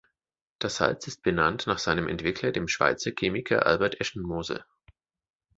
Das Salz ist benannt nach seinem Entwickler, dem Schweizer Chemiker Albert Eschenmoser.